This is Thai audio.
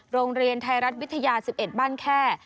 โรงเรียนไทยรัฐวิทยา๑๑บ้านแค่